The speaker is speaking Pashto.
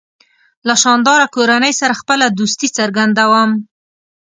له شانداره کورنۍ سره خپله دوستي څرګندوم.